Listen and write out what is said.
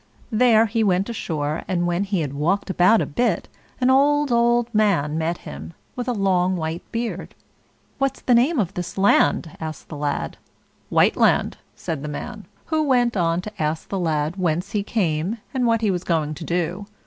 There he went ashore, and when he had walked about a bit, an old, old man met him, with a long white beard. "What's the name of this land?" asked the lad. "Whiteland," said the man, who went on to ask the lad whence he came, and what he was going to do.